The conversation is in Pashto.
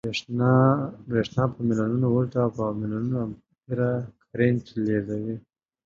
برېښنا په ملیونونو ولټه او په ملیونونو امپیره کرنټ لېږدوي